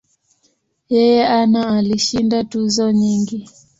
Yeye ana alishinda tuzo nyingi.